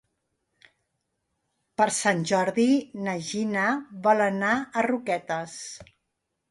Per Sant Jordi na Gina vol anar a Roquetes.